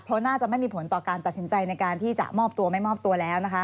เพราะน่าจะไม่มีผลต่อการตัดสินใจในการที่จะมอบตัวไม่มอบตัวแล้วนะคะ